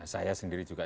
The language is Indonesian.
saya sendiri juga